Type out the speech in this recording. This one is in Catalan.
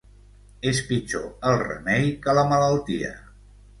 És pitjor el remei que la malaltia.